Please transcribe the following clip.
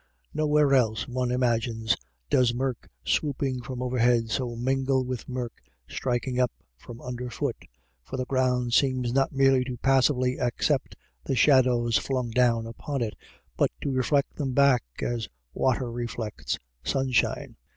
Nowhere else,, one ima gines, does mirk swooping from overhead so mingle with mirk striking up from underfoot, for the ground seems not merely to passively accept the shadows flung down upon it, but to reflect them back, as water reflects sunshine.